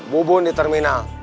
bubun di terminal